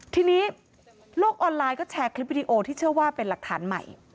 ทีนี้โลกออนไลน์ก็แชร์คลิปวิดีโอที่เชื่อว่าเป็นหลักฐานใหม่